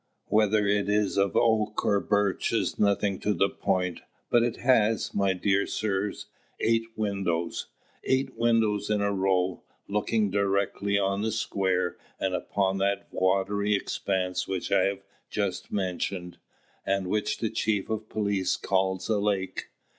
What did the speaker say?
Whether it is of oak or birch is nothing to the point; but it has, my dear sirs, eight windows! eight windows in a row, looking directly on the square and upon that watery expanse which I have just mentioned, and which the chief of police calls a lake.